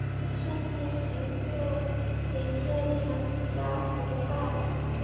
顺治十六年任杭嘉湖道。